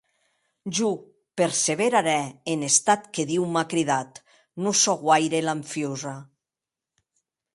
Jo perseverarè en estat que Diu m’a cridat; non sò guaire lanfiosa.